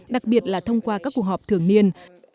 đặc biệt là thông qua các cuộc họp thường niên